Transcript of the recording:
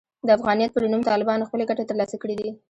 د افغانیت پر نوم طالبانو خپلې ګټې ترلاسه کړې دي.